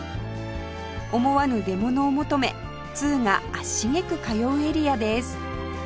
思わぬ出物を求め通が足しげく通うエリアです